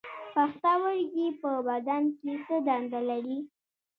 پښتورګي په بدن کې څه دنده لري